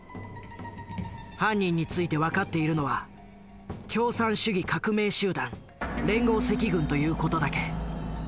犯人について分かっているのは共産主義革命集団という事だけ。